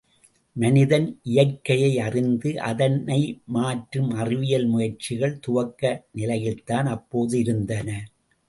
மனிதன் இயற்கையை அறிந்து அதனை மாற்றும் அறிவியல் முயற்சிகள் துவக்க நிலையில்தான் அப்போது இருந்தன.